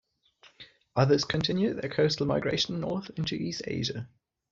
Others continued their coastal migration north into East Asia.